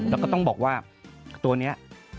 แล้วก็ต้องบอกว่าตัวนี้